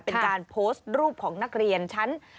เป็นการโพสต์รูปของนักเรียนชั้น